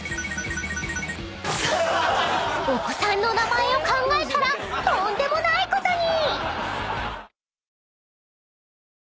［お子さんの名前を考えたらとんでもないことに！］